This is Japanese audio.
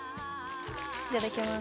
いただきます。